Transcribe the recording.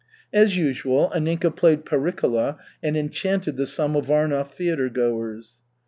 As usual, Anninka played Pericola and enchanted the Samovarnov theatregoers.